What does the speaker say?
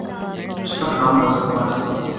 اس کا کام بس اتنا ہے۔